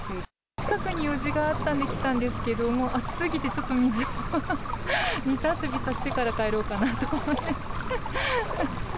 近くに用事があったんで来たんですけども、暑すぎてちょっと水遊びさせてから帰ろうかなと思って。